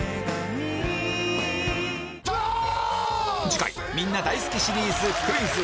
次回みんな大好きシリーズクイズ★